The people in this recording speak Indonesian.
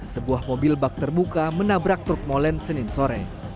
sebuah mobil bak terbuka menabrak truk molen senin sore